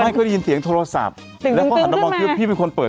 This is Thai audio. ใหม่ก็ได้ยินเสียงโทรศัพท์สิ่งตึงขึ้นมาแล้วเขาหัดมามองที่ว่าพี่เป็นคนเปิด